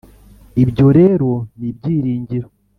ibyo rero nibyiringiro